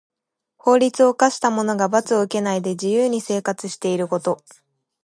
法律を犯した者が罰を受けないで自由に生活していること。